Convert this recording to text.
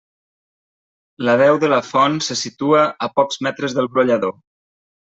La deu de la font se situa a pocs metres del brollador.